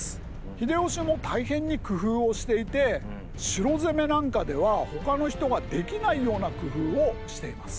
秀吉も大変に工夫をしていて城攻めなんかではほかの人ができないような工夫をしています。